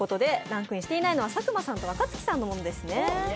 ランクインしていないのは佐久間さんと若槻さんのものです。